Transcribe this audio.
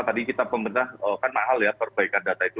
tadi kita pemerintah kan mahal ya perbaikan data itu